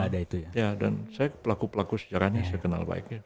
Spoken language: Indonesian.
dan saya pelaku pelaku sejarahnya saya kenal baik